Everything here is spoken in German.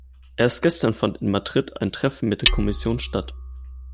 Erst gestern fand in Madrid ein Treffen mit der Kommission statt.